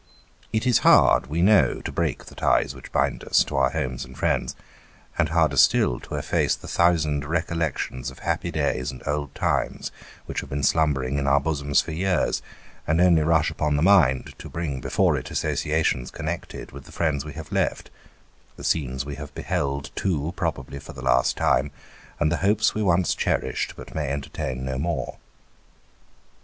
It is hai'd, we know, to break the ties which bind us to our homes and friends, and harder still to efface the thousand recollections of happy days and old times, which have been slumbering in our bosoms for years, and only rush upon the mind, to bring before it associations connected with the friends we have left, the scenes we have beheld too probably for the last time, and the hopes we once cherished, but may entertain no more.